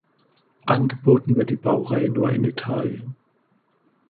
Angeboten wird die Baureihe nur in Italien.